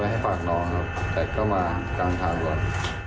ให้ฝากน้องครับแต่ก็มากลางทางก่อน